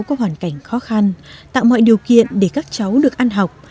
có hoàn cảnh khó khăn tạo mọi điều kiện để các cháu được ăn học